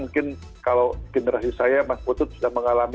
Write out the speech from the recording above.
mungkin kalau generasi saya mas putut sudah mengalami